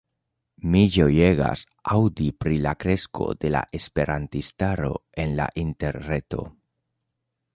Mi ĝojegas aŭdi pri la kresko de la esperantistaro en la interreto.